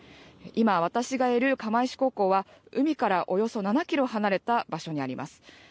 今、私がいる釜石高校は海からおよそ７キロ離れた場所にあります。